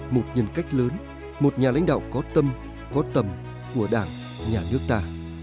một nhân cách lớn một nhà lãnh đạo có tâm có tầm của đảng nhà nước ta